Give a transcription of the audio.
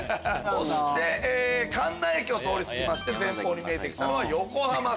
そして関内駅を通り過ぎまして前方に見えてきたのは。